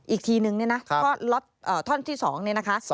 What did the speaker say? อีกทีนึงเนี่ยนะท่อนที่๒เนี่ยนะคะ